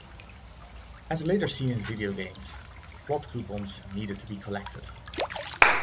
As later seen in video games, "plot coupons" need to be collected.